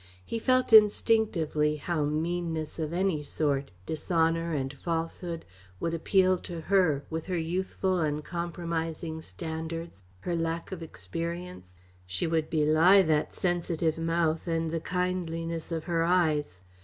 He felt instinctively how meanness of any sort, dishonour and falsehood, would appeal to her, with her youthful, uncompromising standards, her lack of experience. She would belie that sensitive mouth and the kindliness of her eyes.